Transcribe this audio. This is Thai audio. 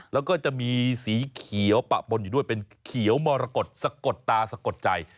แล้วก็จะมีสีเขียวปะปนอยู่ด้วยเป็นเขียวมรกฏสะกดตาสะกดใจ